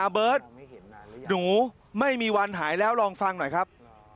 เบิร์ตหนูไม่มีวันหายแล้วลองฟังหน่อยครับ